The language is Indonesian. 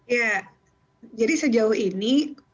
ya jadi sejauh ini